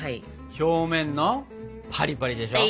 表面のパリパリでしょ！